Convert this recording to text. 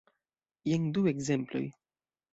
Jen du ekzemploj.